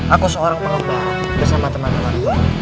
aku seorang pelomba bersama teman teman